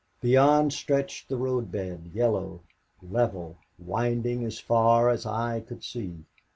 Beyond stretched the road bed, yellow, level, winding as far as eye could see.